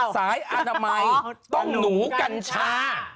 สายอนามัยต้องหนูกัญชา